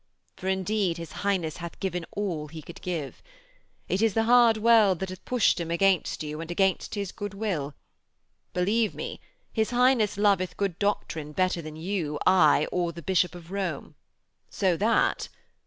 For indeed his Highness hath given all he could give. It is the hard world that hath pushed him against you and against his good will. Believe me, his Highness loveth good doctrine better than you, I, or the Bishop of Rome. So that....'